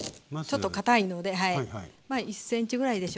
ちょっとかたいので１ｃｍぐらいでしょうかね。